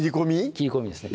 切り込みですね